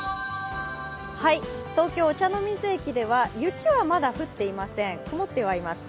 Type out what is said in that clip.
東京・御茶ノ水駅では雪はまだ降っていません、曇ってはいます。